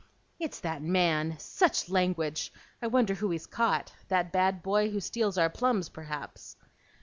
"It's that man! Such language! I wonder who he's caught? That bad boy who steals our plums, perhaps."